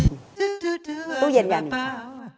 ตู้เย็นอย่างนี้ค่ะ